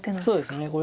そうですね